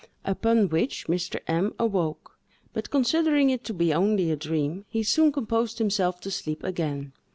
Upon which, Mr. M—— awoke; but considering it to be only a dream, he soon composed himself to sleep again.